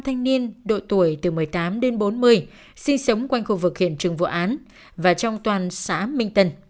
thanh niên độ tuổi từ một mươi tám đến bốn mươi sinh sống quanh khu vực hiện trường vụ án và trong toàn xã minh tân